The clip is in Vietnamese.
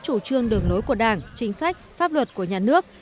chủ trương đường lối của đảng chính sách pháp luật của nhà nước